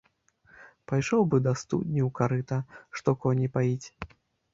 Пайшоў бы да студні ў карыта, што коні паіць.